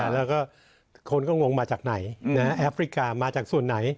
แล้วก็คนก็งงมาจากไหนแอฟริกามาจากส่วนไหน